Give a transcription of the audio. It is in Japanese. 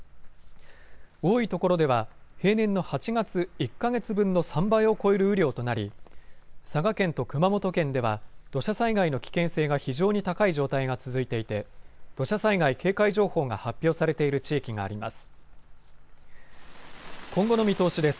多いところでは平年の８月１か月分の３倍を超える雨量となり佐賀県と熊本県では土砂災害の危険性が非常に高い状態が続いていて土砂災害警戒情報が発表されている地域があります。